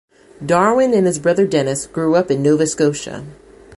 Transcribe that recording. Darwyn and his brother Dennis grew up in Nova Scotia.